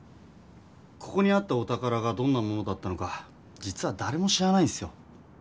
ここにあったお宝がどんなものだったのか実はだれも知らないんすよ。